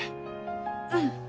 うん。